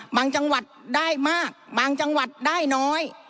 จังหวัดได้มากบางจังหวัดได้น้อย